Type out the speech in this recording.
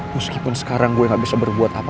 meskipun sekarang gue gak bisa berbuat apa